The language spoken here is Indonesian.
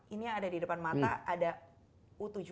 ini yang ada di depan mata ada u tujuh belas